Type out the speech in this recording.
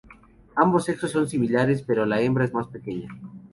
Ambos sexos son similares, pero la hembra es más pequeña.